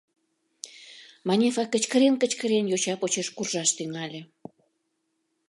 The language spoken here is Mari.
Манефа, кычкырен-кычкырен, йоча почеш куржаш тӱҥале.